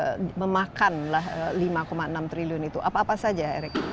yang nanti memakanlah lima enam triliun itu apa apa saja erik